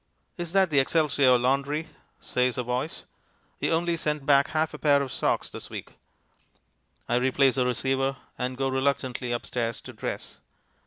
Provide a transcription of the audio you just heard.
"Is that the Excelsior Laundry?" says a voice. "You only sent back half a pair of socks this week." I replace the receiver and go reluctantly upstairs to dress.